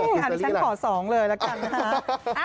ผมจะขอ๒เลยละกันนะครับ